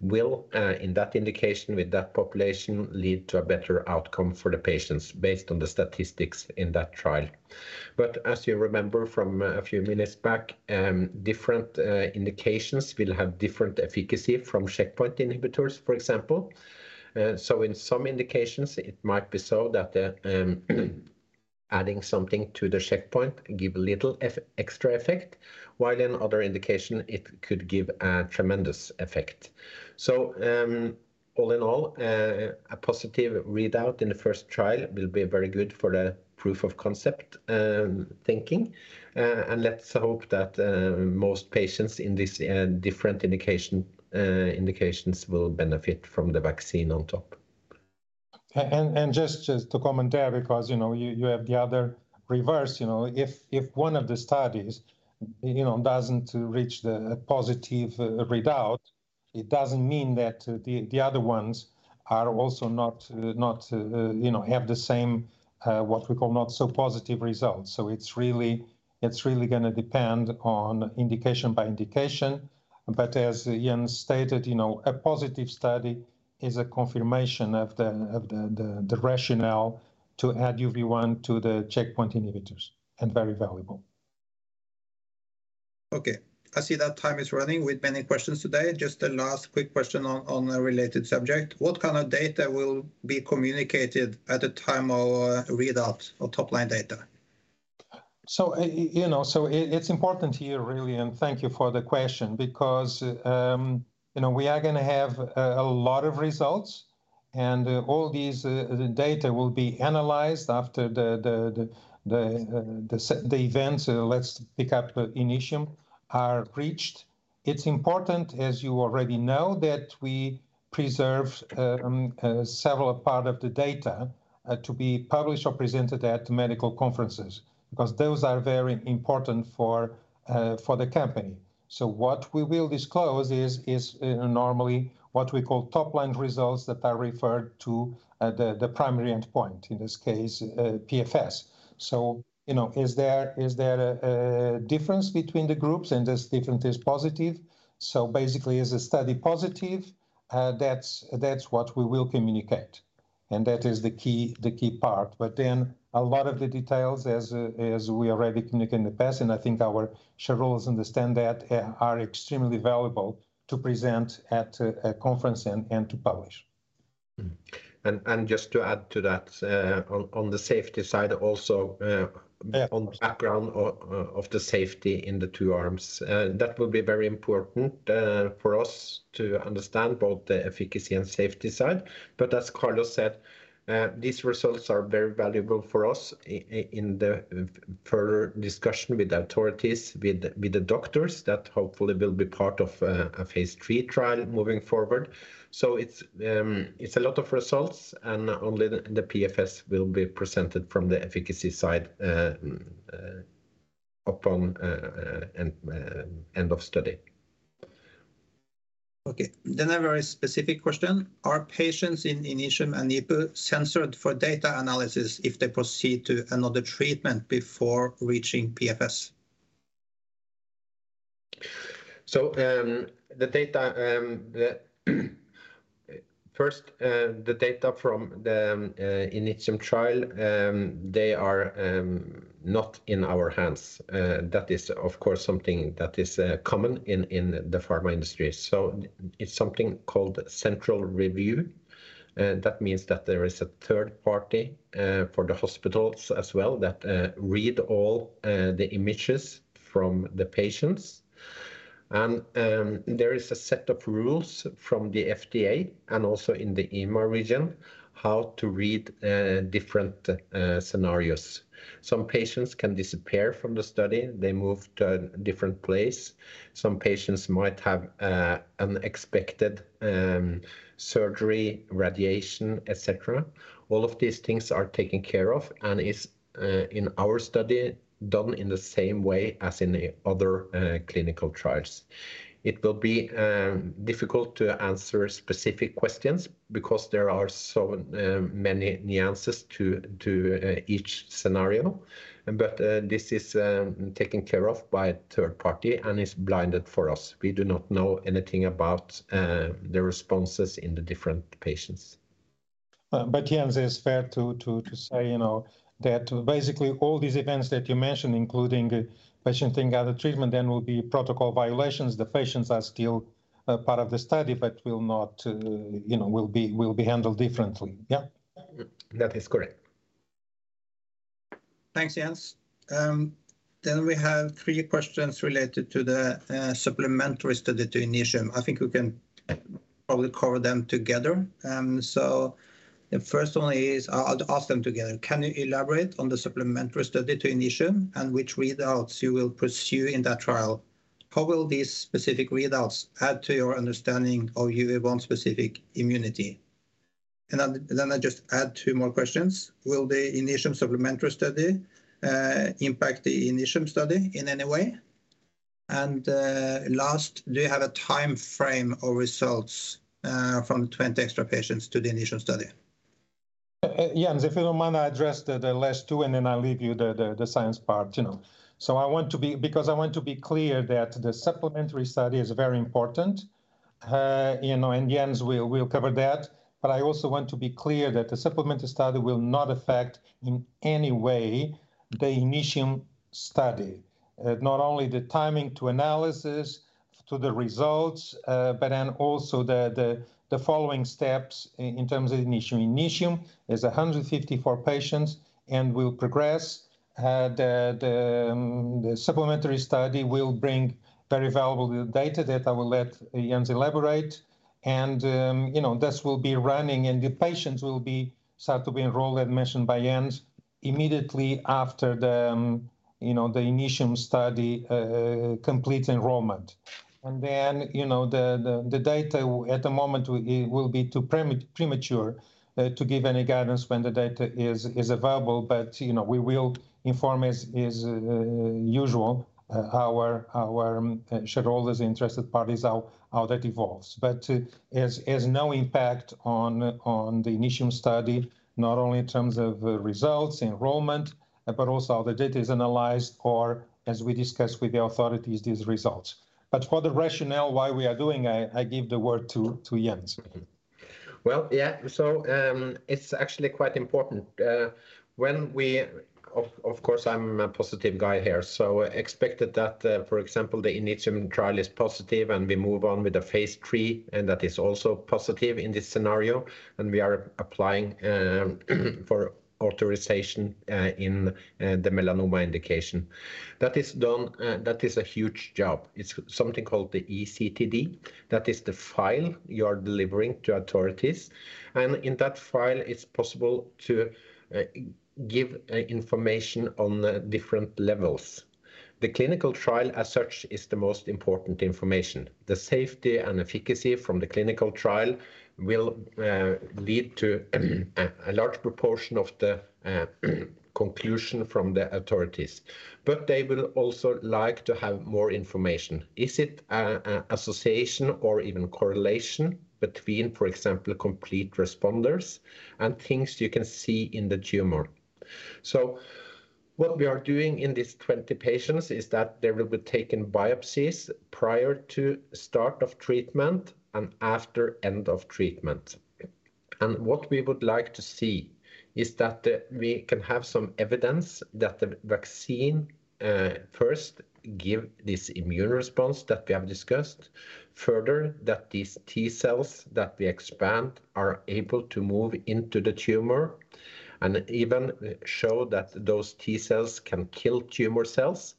will in that indication with that population lead to a better outcome for the patients based on the statistics in that trial. As you remember from a few minutes back, different indications will have different efficacy from checkpoint inhibitors, for example. In some indications it might be so that the adding something to the checkpoint give a little extra effect, while in other indication it could give a tremendous effect. All in all, a positive readout in the first trial will be very good for the proof-of-concept thinking. Let's hope that most patients in this different indications will benefit from the vaccine on top.
Just to comment there because, you know, you have the other reverse, you know. If one of the studies, you know, doesn't reach the positive readout, it doesn't mean that the other ones are also not have the same what we call not so positive results. It's really gonna depend on indication by indication. As Jens stated, you know, a positive study is a confirmation of the rationale to add UV1 to the checkpoint inhibitors, and very valuable.
Okay. I see that time is running with many questions today. Just a last quick question on a related subject. What kind of data will be communicated at the time of readout or top-line data?
You know, it's important here really, and thank you for the question, because you know, we are gonna have a lot of results, and all these data will be analyzed after the events, let's pick up INITIUM, are reached. It's important, as you already know, that we preserve several part of the data to be published or presented at medical conferences, because those are very important for the company. What we will disclose is normally what we call top-line results that are referred to the primary endpoint, in this case, PFS. You know, is there a difference between the groups and this difference is positive? Basically, is the study positive? That's what we will communicate, and that is the key part. A lot of the details, as we already communicate in the past, and I think our shareholders understand that are extremely valuable to present at a conference and to publish.
Just to add to that, on the safety side also.
Yeah, of course.
on background of the safety in the two arms. That will be very important for us to understand both the efficacy and safety side. As Carlos said, these results are very valuable for us in the further discussion with authorities, with the doctors that hopefully will be part of a Phase three trial moving forward. It's a lot of results and only the PFS will be presented from the efficacy side upon an end of study.
Okay. A very specific question. Are patients in INITIUM and NIPU censored for data analysis if they proceed to another treatment before reaching PFS?
First, the data from the INITIUM trial, they are not in our hands. That is of course something that is common in the pharma industry. It's something called central review. That means that there is a third party for the hospitals as well that read all the images from the patients. There is a set of rules from the FDA and also in the EMA region how to read different scenarios. Some patients can disappear from the study. They move to a different place. Some patients might have unexpected surgery, radiation, et cetera. All of these things are taken care of and is in our study done in the same way as in the other clinical trials. It will be difficult to answer specific questions because there are so many nuances to each scenario, but this is taken care of by a third party and is blinded for us. We do not know anything about the responses in the different patients.
Jens, it's fair to say, you know, that basically all these events that you mentioned, including a patient getting other treatment, then will be protocol violations. The patients are still a part of the study but will not, you know, will be handled differently. Yeah.
That is correct.
Thanks, Jens. We have three questions related to the supplementary study to INITIUM. I think we can probably cover them together. I'll ask them together. Can you elaborate on the supplementary study to INITIUM and which readouts you will pursue in that trial? How will these specific readouts add to your understanding of UV1-specific immunity? Let me just add two more questions. Will the INITIUM supplementary study impact the INITIUM study in any way? Last, do you have a timeframe or results from the 20 extra patients to the INITIUM study?
Jens, if you don't mind, I address the last two and then I'll leave you the science part, you know. I want to be clear that the supplementary study is very important. You know, Jens will cover that, but I also want to be clear that the supplementary study will not affect in any way the INITIUM study. Not only the timing to analysis to the results, but also the following steps in terms of INITIUM. INITIUM is 154 patients and will progress. The supplementary study will bring very valuable data that I will let Jens elaborate and, you know, this will be running and the patients will start to be enrolled, as mentioned by Jens, immediately after, you know, the INITIUM study completes enrollment. You know, the data at the moment will be too premature to give any guidance when the data is available. You know, we will inform as usual our shareholders, interested parties how that evolves. It has no impact on the INITIUM study, not only in terms of the results, enrollment, but also how the data is analyzed or as we discuss with the authorities these results. For the rationale why we are doing, I give the word to Jens.
Well, yeah. It's actually quite important. Of course, I'm a positive guy here. We expect that, for example, the INITIUM trial is positive and we move on with the Phase 3, and that is also positive in this scenario. We are applying for authorization in the melanoma indication. That is a huge job. It's something called the eCTD. That is the file you are delivering to authorities, and in that file it's possible to give information on the different levels. The clinical trial as such is the most important information. The safety and efficacy from the clinical trial will lead to a large proportion of the conclusion from the authorities. They will also like to have more information. Is it a association or even correlation between, for example, complete responders and things you can see in the tumor? What we are doing in these 20 patients is that there will be taken biopsies prior to start of treatment and after end of treatment. What we would like to see is that we can have some evidence that the vaccine first give this immune response that we have discussed. Further, that these T cells that we expand are able to move into the tumor and even show that those T cells can kill tumor cells.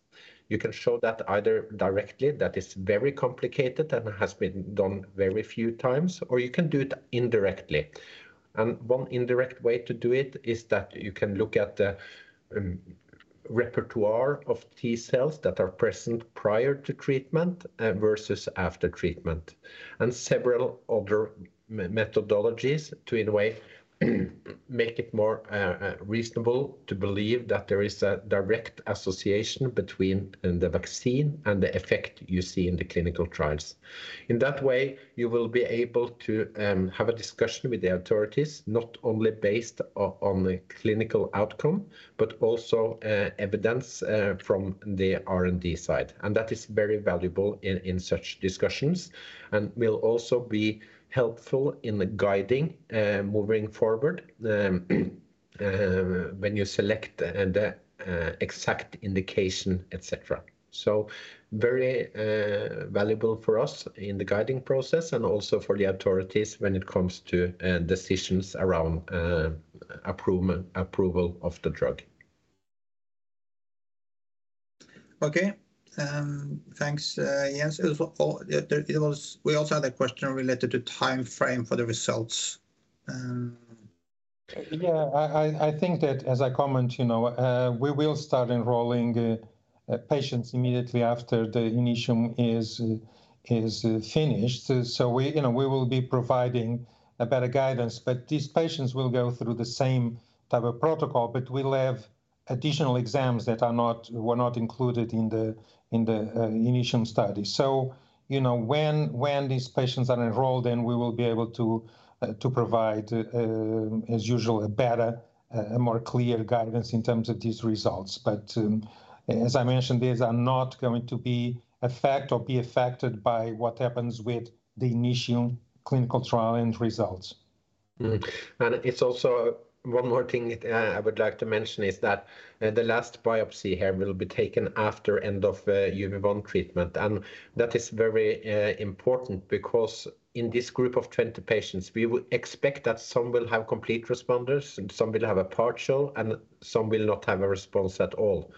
You can show that either directly, that is very complicated and has been done very few times, or you can do it indirectly. One indirect way to do it is that you can look at the repertoire of T cells that are present prior to treatment versus after treatment. Several other methodologies to, in a way, make it more reasonable to believe that there is a direct association between the vaccine and the effect you see in the clinical trials. In that way, you will be able to have a discussion with the authorities, not only based on the clinical outcome, but also evidence from the R&D side. That is very valuable in such discussions and will also be helpful in guiding moving forward when you select the exact indication, et cetera. Very valuable for us in the guiding process and also for the authorities when it comes to decisions around approval of the drug.
Okay. Thanks, Jens. We also had a question related to timeframe for the results.
Yeah. I think that as I comment, you know, we will start enrolling patients immediately after the INITIUM is finished. We will be providing a better guidance. These patients will go through the same type of protocol, but we'll have additional exams that were not included in the INITIUM study. When these patients are enrolled, then we will be able to provide, as usual, a more clear guidance in terms of these results. As I mentioned, these are not going to be affect or be affected by what happens with the INITIUM clinical trial end results.
It's also one more thing I would like to mention is that the last biopsy here will be taken after end of UV1 treatment. That is very important because in this group of 20 patients, we would expect that some will have complete responders and some will have a partial, and some will not have a response at all.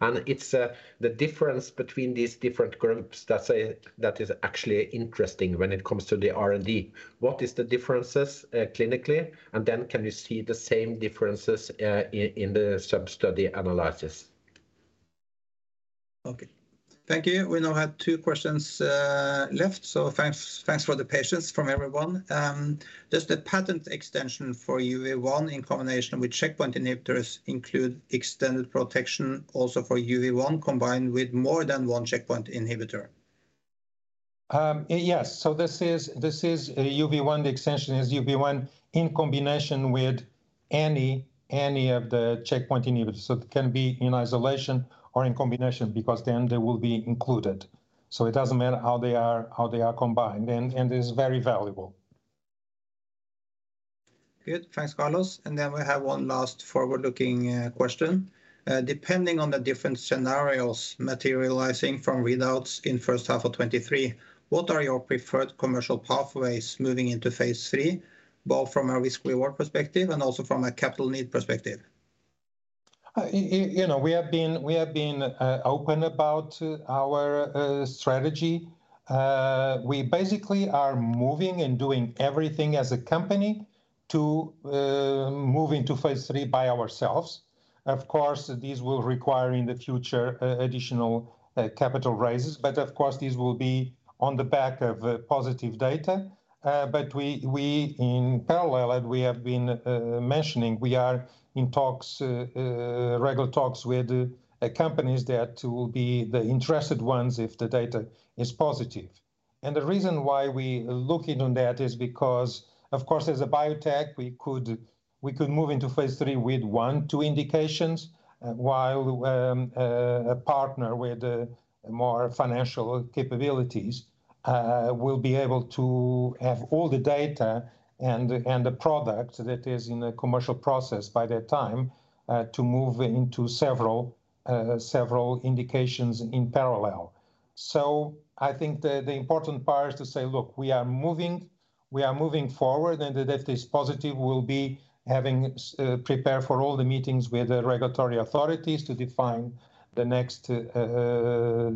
It's the difference between these different groups that is actually interesting when it comes to the R&D. What is the differences clinically, and then can you see the same differences in the sub-study analysis?
Okay. Thank you. We now have two questions left, so thanks for the patience from everyone. Does the patent extension for UV1 in combination with checkpoint inhibitors include extended protection also for UV1 combined with more than one checkpoint inhibitor?
Yes. This is a UV1 extension is UV1 in combination with any of the checkpoint inhibitors. It doesn't matter how they are combined and is very valuable.
Good. Thanks, Carlos. We have one last forward-looking question. Depending on the different scenarios materializing from readouts in first half of 2023, what are your preferred commercial pathways moving into Phase three, both from a risk-reward perspective and also from a capital need perspective?
You know, we have been open about our strategy. We basically are moving and doing everything as a company to move into Phase three by ourselves. Of course, this will require in the future additional capital raises, but of course, this will be on the back of positive data. We in parallel, as we have been mentioning, are in regular talks with companies that will be the interested ones if the data is positive. The reason why we're looking at that is because, of course, as a biotech, we could move into Phase three with one, two indications, while a partner with more financial capabilities will be able to have all the data and the product that is in the commercial process by that time to move into several indications in parallel. I think the important part is to say, "Look, we are moving forward," and if that is positive, we'll be preparing for all the meetings with the regulatory authorities to define the next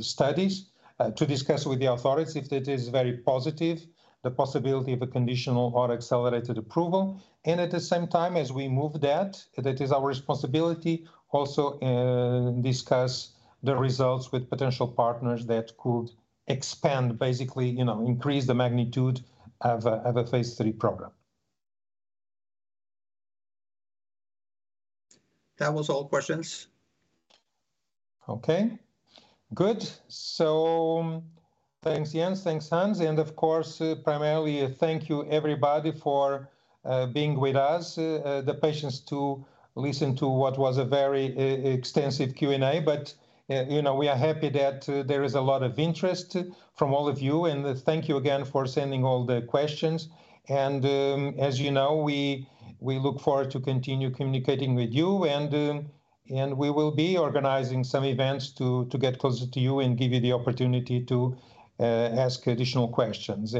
studies to discuss with the authorities if that is very positive, the possibility of a conditional or accelerated approval. At the same time as we move that is our responsibility also, discuss the results with potential partners that could expand basically, you know, increase the magnitude of a Phase three program.
That was all questions.
Okay. Good. Thanks, Jens. Thanks, Hans. And of course, primarily, thank you everybody for being with us, the patience to listen to what was a very extensive Q&A. You know, we are happy that there is a lot of interest from all of you, and thank you again for sending all the questions. As you know, we look forward to continue communicating with you and we will be organizing some events to get closer to you and give you the opportunity to ask additional questions.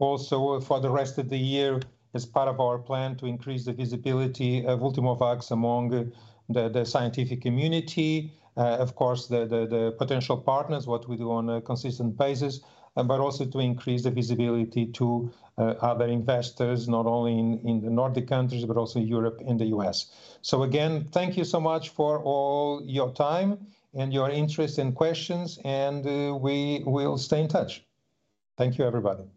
also for the rest of the year, as part of our plan to increase the visibility of Ultimovacs among the scientific community, of course, the potential partners, what we do on a consistent basis, but also to increase the visibility to other investors, not only in the Nordic countries, but also Europe and the U.S. again, thank you so much for all your time and your interest and questions, and we will stay in touch. Thank you, everybody.